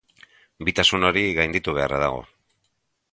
Bitasun hori gainditu beharra dago.